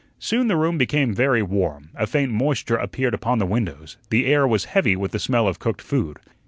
Soon the room became very warm, a faint moisture appeared upon the windows, the air was heavy with the smell of cooked food.